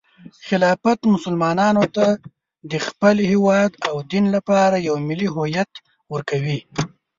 خلافت مسلمانانو ته د خپل هیواد او دین لپاره یو ملي هویت ورکوي.